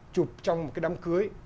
chụp trong một cái đám cưới